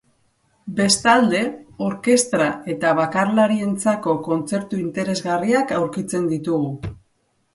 Bestalde, orkestra eta bakarlarientzako kontzertu interesgarriak aurkitzen ditugu.